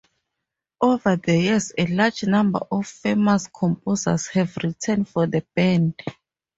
Over the years a large number of famous composers have written for the band.